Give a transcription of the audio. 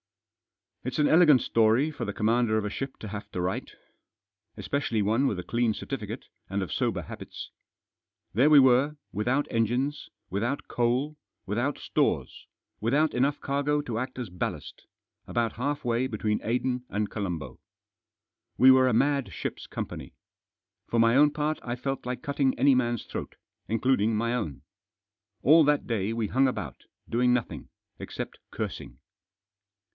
It's an elegant story for the commander of a ship to have to write. Especially one with a clean cer tificate, and of sober habits. There we were, with out engines, without coal, without stores, without enough cargo to act as ballast, about half way between Aden and Colombo. We were a mad ship's company. For my own part I felt like cutting any man's throat, including my own. All that day we hung about, doing nothing, except cursing.